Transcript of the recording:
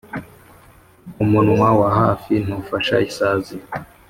umunwa wa hafi ntufata isazi.